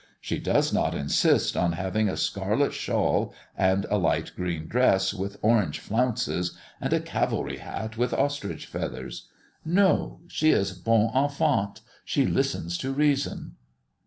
She does not insist on having a scarlet shawl and a light green dress with orange flounces, and a cavalry hat with ostrich feathers. No; she is bonne enfante she listens to reason."